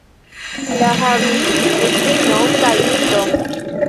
La havis edzinon kaj filon.